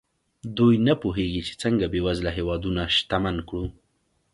دوی نه پوهېږي چې څنګه بېوزله هېوادونه شتمن کړو.